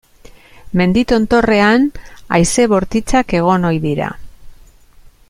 Mendi tontorrean haize bortitzak egon ohi dira.